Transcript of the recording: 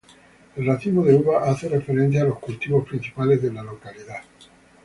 El racimo de uva hace referencia a los cultivos principales de la localidad.